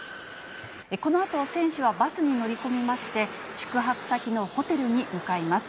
このあと選手はバスに乗り込みまして、宿泊先のホテルに向かいます。